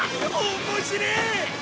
面白え！